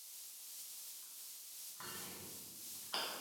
თურქეთის მიერ სამცხე-საათაბაგოს დაპყრობის შემდეგ დადაშენის საეპისკოპოსო მოიშალა.